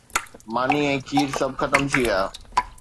ماني ۽ کير سڀ ختم ٿي ويا.